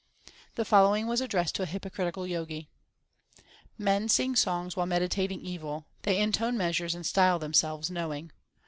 The following was addressed to a hypocritic; Jgi : Men sing songs while meditating evil ; They intone measures and style themselves knowing.